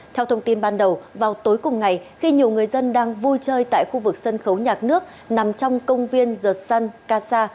theo thông tin ban đầu vào tối cùng ngày khi nhiều người dân đang vui chơi tại khu vực sân khấu nhạc nước nằm trong công viên the sun casa